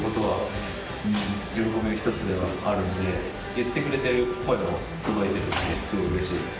言ってくれてる声も届いてるのですごい嬉しいです。